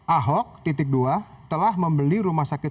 ahok dua telah membeli rumah sakit